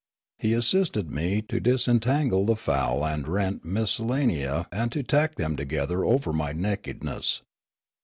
He assisted me to disen tangle the foul and rent miscellany and to tack them together over my nakedness.